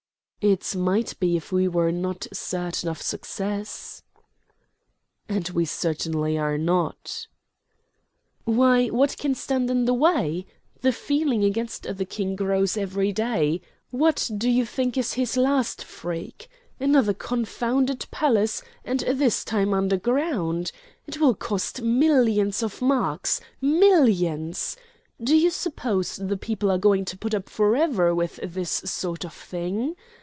"It might be if we were not certain of success." "And we certainly are not." "Why, what can stand in the way? The feeling against the King grows every day. What do you think is his last freak? Another confounded palace, and this time underground. It will cost millions of marks millions. Do you suppose the people are going to put up forever with this sort of thing?